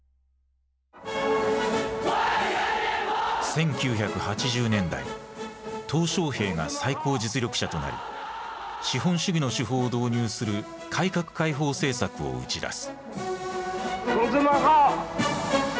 １９８０年代小平が最高実力者となり資本主義の手法を導入する「改革開放」政策を打ち出す。